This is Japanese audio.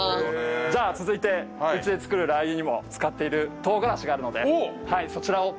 じゃあ続いてうちで作るラー油にも使っている唐辛子があるのでそちらを。